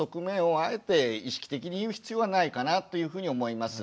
あえて意識的に言う必要はないかなというふうに思います。